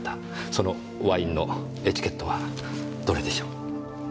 そのワインのエチケットはどれでしょう？